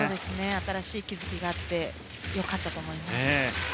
新しい気づきがあって良かったと思います。